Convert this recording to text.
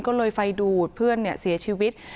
ก็เลยไฟดูดเพื่อนเสียชีวิต